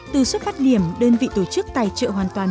từ xuất phát điểm đơn vị tổ chức tài trợ hoàn toàn